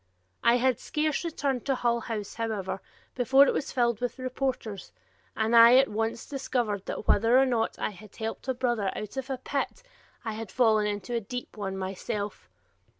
I had scarce returned to Hull House, however, before it was filled with reporters, and I at once discovered that whether or not I had helped a brother out of a pit, I had fallen into a deep one myself.